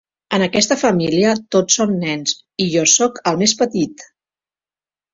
En aquesta família tots som nens, i jo soc el més petit.